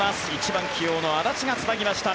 １番起用の安達がつなぎました。